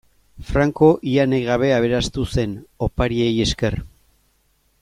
Franco ia nahi gabe aberastu zen, opariei esker.